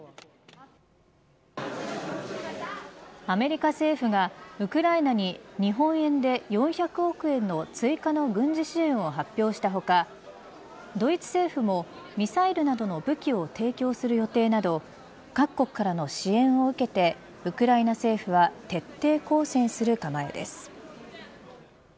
アメリカ政府がウクライナに日本円で４００億円の追加の軍事支援を発表した他ドイツ政府もミサイルなどの武器を提供する予定など各国からの支援を受けてウクライナ政府は徹底抗戦する構えです。